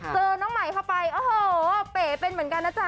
เจอน้องใหม่เข้าไปโอ้โหเป๋เป็นเหมือนกันนะจ๊